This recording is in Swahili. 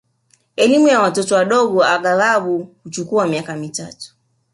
Elimu ya watoto wadogo aghalabu huchukua miaka mitatu